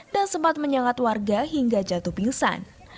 dan sempat menyangat warga hingga jatuh pingsan